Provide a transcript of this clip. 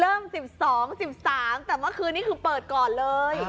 เริ่ม๑๒๑๓แต่เมื่อคืนนี้คือเปิดก่อนเลย